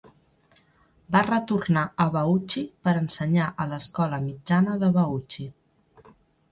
Va retornar a Bauchi per ensenyar a l'escola mitjana de Bauchi.